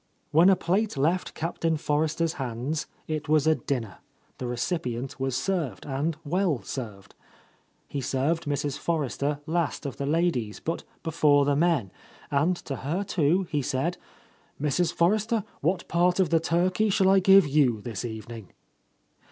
When a plate left Captain Forrester's hands, it was a dinner; the recipient was served, and well served. He served Mrs. Forrester last of the ladies but before the men, and to her, too, he said, "Mrs. Forrester, what part of the turkey shall I give you this evening?"